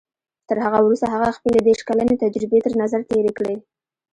تر هغه وروسته هغه خپلې دېرش کلنې تجربې تر نظر تېرې کړې.